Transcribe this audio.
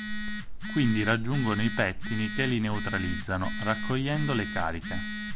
Quindi raggiungono i pettini che li neutralizzano, raccogliendo le cariche.